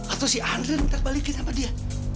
atau si andre minta balikin sama dia